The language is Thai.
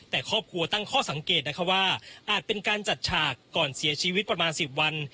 แต่ครอบครัวตั้งข้อสังเกตนะคะว่าอาจเป็นการจัดฉากก่อนเสียชีวิตประมาณ๑๐วัน